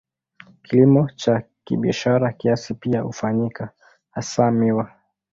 Kilimo cha kibiashara kiasi pia hufanyika, hasa miwa.